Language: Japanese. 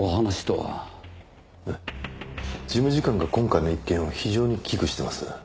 事務次官が今回の一件を非常に危惧してます。